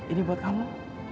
ini buat kamu